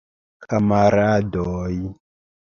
Kamaradoj!